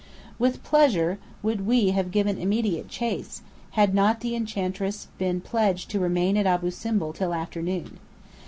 With pleasure would we have given immediate chase, had not the Enchantress been pledged to remain at Abu Simbel till afternoon.